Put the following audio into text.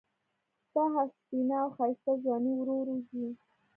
ستا حسینه او ښایسته ځواني ورو ورو ځي